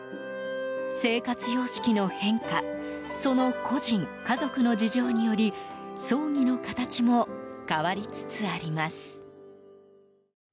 生活様式の変化その故人、家族の事情により葬儀の形も変わりつつあります。